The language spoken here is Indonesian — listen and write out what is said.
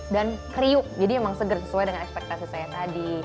dan kriuk jadi emang segar sesuai dengan ekspektasi saya tadi